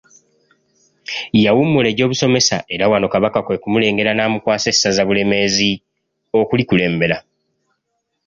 Yawummula egyobusomesa era wano Kabaka kwe kumulengera n’amukwasa essaza Bulemeezi okulikulembera.